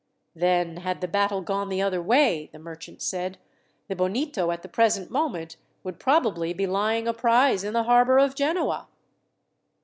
"Then had the battle gone the other way," the merchant said, "the Bonito at the present moment would probably be lying a prize in the harbour of Genoa!"